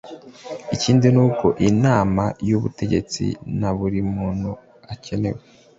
ikindi ni uko inama y’ubutegetsi na buri muntu akenewe